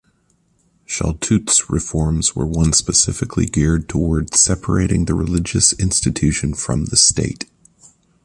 Shaltut's reforms were ones specifically geared toward separating the religious institution from the state.